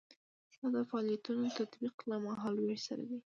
دا د فعالیتونو تطبیق له مهال ویش سره ده.